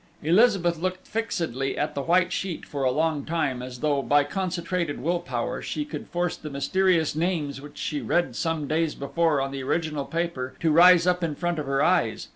Elizabeth looked fixedly at the white sheet for a long time, as though, by concentrated will power, she could force the mysterious names which she read some days before on the original paper, to rise up in front of her eyes.